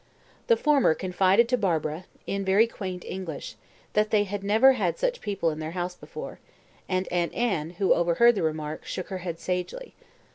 The former confided to Barbara, in very quaint English, that they had never had such people in their house before, and Aunt Anne, who overheard the remark, shook her head sagely.